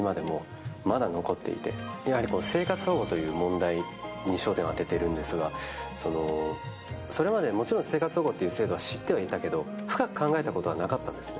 生活保護という問題に焦点を当てているんですが、それまで、もちろん生活保護という制度は知ってはいたけど、深く考えたことはなかったんですね。